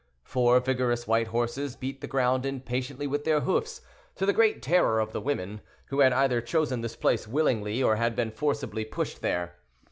Four vigorous white horses beat the ground impatiently with their hoofs, to the great terror of the women, who had either chosen this place willingly, or had been forcibly pushed there.